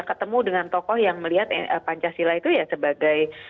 ketemu dengan tokoh yang melihat pancasila itu ya sebagai